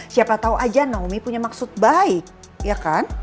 siapa tahu aja naomi punya maksud baik ya kan